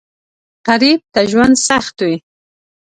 غریب ته ژوند سخت وي